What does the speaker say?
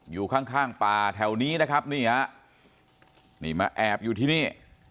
อยู่ข้างป่าแถวนี้นะครับนี่มาแอบอยู่ที่นี่